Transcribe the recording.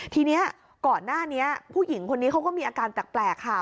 ทีนี้ก่อนหน้านี้ผู้หญิงคนนี้เขาก็มีอาการแปลกค่ะ